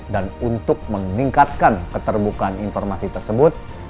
dan untuk meningkatkan keterbukaan informasi tersebut